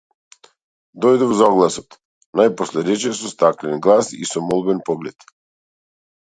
Дојдов за огласот, најпосле рече со стаклен глас и со молбен поглед.